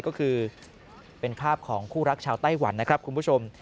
ก็คือเป็นภาพของคู่รักชาวไต้หวันนะครับคุณผู้ชม